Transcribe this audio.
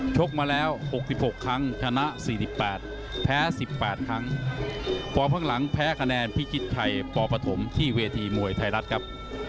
ชกมาแล้ว๖๖ครั้งชนะ๔๘แพ้๑๘ครั้งฟอร์มข้างหลังแพ้คะแนนพิจิตชัยปปฐมที่เวทีมวยไทยรัฐครับ